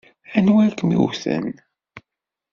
Anwa ay kem-iwten?